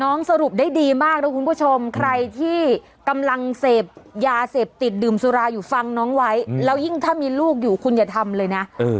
สรุปได้ดีมากนะคุณผู้ชมใครที่กำลังเสพยาเสพติดดื่มสุราอยู่ฟังน้องไว้แล้วยิ่งถ้ามีลูกอยู่คุณอย่าทำเลยนะ